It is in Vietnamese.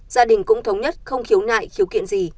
gia đình cũng thống nhất không khiếu nại khiếu kiện gì